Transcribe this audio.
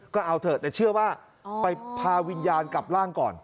ก็เอาเถอะแต่เชื่อว่าไปพาวิญญาณกลับร่างก่อน